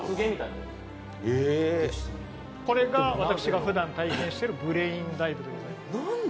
これが私がふだん体験しているブレインダイブでございます。